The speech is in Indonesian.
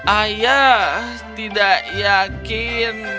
ayah tidak yakin